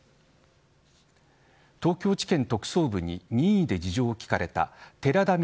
東京地検特捜部に任意で事情を聴かれた寺田稔